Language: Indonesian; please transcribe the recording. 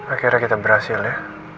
akhirnya kita berhasil ya